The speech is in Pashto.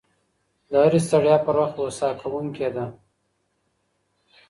د هري ستړيا پر وخت هوسا کوونکې ده